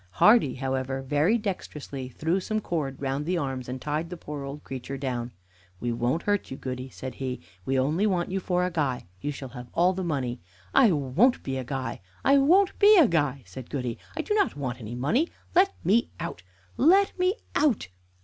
Hardy, however, very dexterously threw some cord round the arms, and tied the poor old creature down. "We won't hurt you, Goody," said he. "We only want you for a guy. You shall have all the money." "I won't be a guy! I won't be a guy!" said Goody. "I do not want any money. Let me out! let me out!"